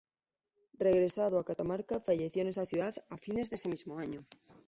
Regresado a Catamarca, falleció en esa ciudad a fines de ese mismo año.